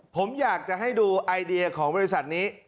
ผมอยากจะให้ดูไอเดียของบริษัทนี้